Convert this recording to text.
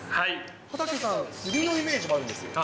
畠さん、釣りのイメージもあるんですよ。